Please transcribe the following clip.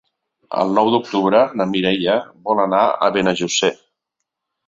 El nou d'octubre na Mireia vol anar a Benejússer.